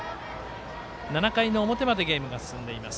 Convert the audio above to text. ７回の表までゲームが進んでいます。